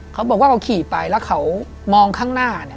เขาบอกว่าเขาขี่ไปแล้วเขามองข้างหน้า